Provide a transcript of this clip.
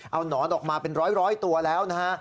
เอาหนอนออกมาเป็นร้อยตัวแล้วนะฮะ